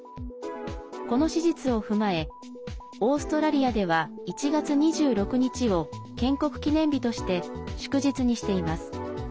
この史実を踏まえオーストラリアでは１月２６日を建国記念日として祝日にしています。